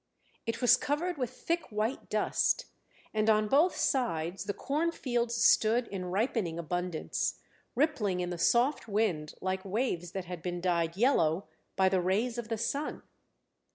It was covered with thick white dust, and on both sides the cornfields stood in ripening abundance, rippling in the soft wind like waves that had been dyed yellow by the rays of the sun.